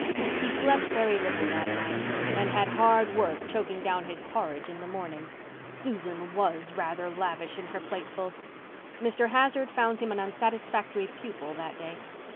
He slept very little that night and had hard work choking down his porridge in the morning. Susan was rather lavish in her platefuls. Mr. Hazard found him an unsatisfactory pupil that day.